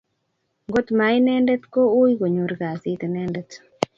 kot ma inendet ko wuinkonyor kasit inendet